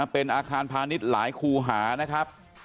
เป็นอาคารพาณิชย์หลายคูหานะครับ